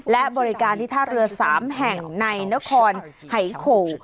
และบริการที่ท่าเรือ๓แห่งในนครหายโข